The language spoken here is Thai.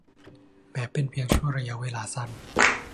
แม้เป็นเพียงชั่วระยะเวลาสั้น